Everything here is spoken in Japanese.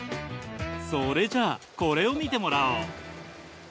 それじゃあこれを見てもらおう。